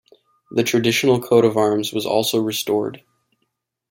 The traditional coat of arms was also restored.